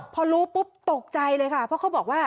พอรู้ปุ๊บตกใจเลยค่ะเพราะเขาบอกว่า